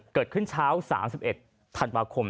เกิดขึ้นเช้า๓๑ธันวาคม